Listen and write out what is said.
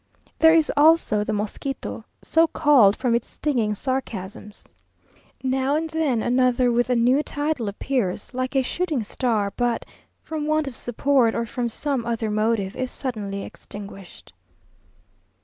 There is also the "Mosquito," so called from its stinging sarcasms. Now and then another with a new title appears, like a shooting star, but, from want of support, or from some other motive, is suddenly extinguished.